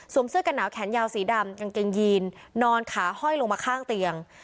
เสื้อกันหนาวแขนยาวสีดำกางเกงยีนนอนขาห้อยลงมาข้างเตียง